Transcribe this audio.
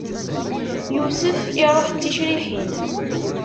Yusef iṛuḥ d ticriḥin!